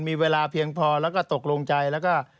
มีเวลาเพียงพอแล้วก็ตกลงใจแล้วก็